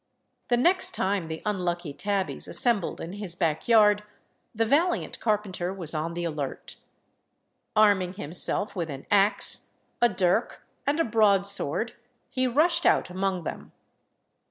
The next time the unlucky tabbies assembled in his back yard, the valiant carpenter was on the alert. Arming himself with an axe, a dirk, and a broadsword, he rushed out among them.